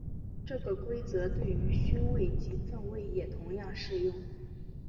这个规则对于勋位及赠位也同样适用。